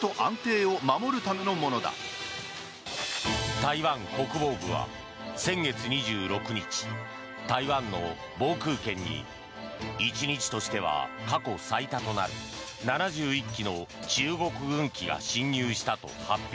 台湾国防部は先月２６日台湾の防空圏に１日としては過去最多となる７１機の中国軍機が侵入したと発表。